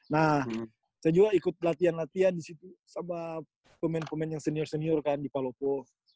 nah saya juga ikut latihan latihan di situ sama pemain pemain yang senior senior kan di palopo